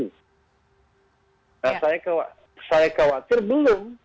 nah saya kewakir belum